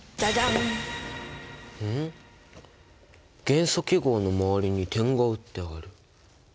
元素記号の周りに点が打ってある。